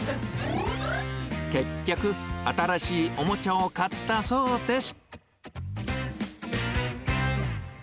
結局、新しいおもちゃを買ったそうです。